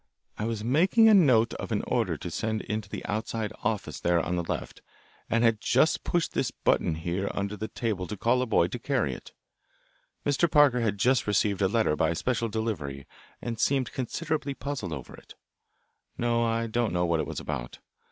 I was making a note of an order to send into the outside office there on the left, and had just pushed this button here under the table to call a boy to carry it. Mr. Parker had just received a letter by special delivery, and seemed considerably puzzled over it. No, I don't know what it was about.